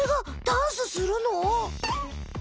ダンスする？